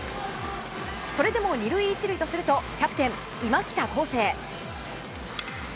それでも２塁１塁とするとキャプテン今北孝晟。